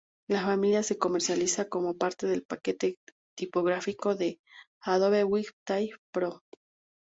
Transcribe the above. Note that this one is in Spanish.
La familia se comercializa como parte del paquete tipográfico de Adobe Web Type Pro.